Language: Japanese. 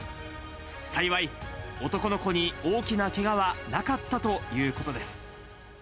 幸い、男の子に大きなけがはなかったということです。